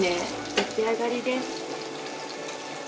出来上がりです。